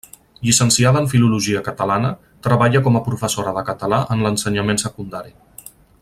Llicenciada en filologia catalana, treballa com a professora de català en l'ensenyament secundari.